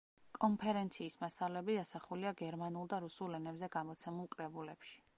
კონფერენციის მასალები ასახულია გერმანულ და რუსულ ენებზე გამოცემულ კრებულებში.